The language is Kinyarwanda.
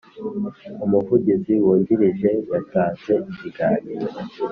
umuvugizi wungirije yatanze ikiganiro